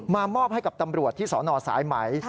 มอบให้กับตำรวจที่สนสายไหม